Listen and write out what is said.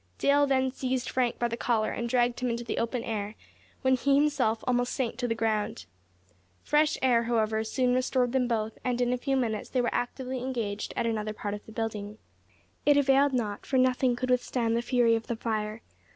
Dale then seized Frank by the collar, and dragged him into the open air, when he himself almost sank to the ground. Fresh air, however, soon restored them both, and in a few minutes they were actively engaged at another part of the building. Bravely and perseveringly though this was done, it availed not, for nothing could withstand the fury of the fire.